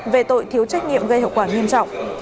về tội thiếu trách nhiệm gây hậu quả nghiêm trọng